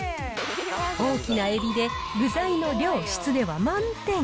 大きなエビで具材の量、質では満点。